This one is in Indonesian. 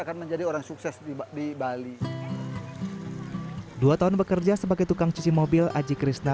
akan menjadi orang sukses di bali dua tahun bekerja sebagai tukang cuci mobil aji krishna